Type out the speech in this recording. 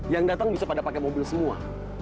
yang datang bisa pada pakai mobil semua